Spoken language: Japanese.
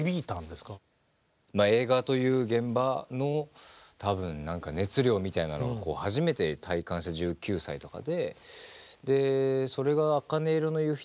映画という現場の多分何か熱量みたいなのを初めて体感した１９歳とかで。